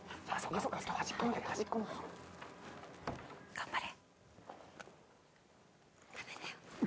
頑張れ。